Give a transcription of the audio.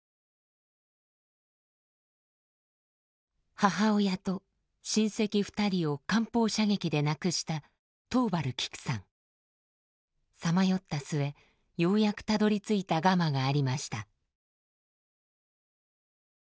母親と親戚２人を艦砲射撃で亡くしたさまよった末ようやくたどりついたガマがありました。